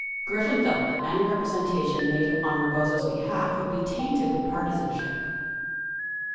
Griffin felt that any representa tion that he made on Rebozo's behalf would be tainted with partisan ship.